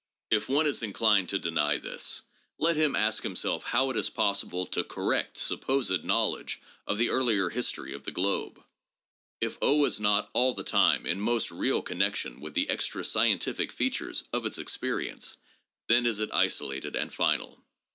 If one is inclined to deny this, let him ask himself how it is possible to correct (supposed) knowledge of the earlier history of the globe. If is not all the time in most real connection with the extra scientific features of its experience, then is it isolated and final.